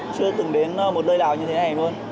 chưa từng đến một nơi nào như thế này luôn